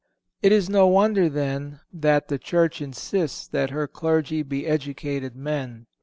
It is no wonder, then, that the Church insists that her clergy be educated men.